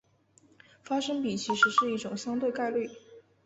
发生比其实是一种相对概率。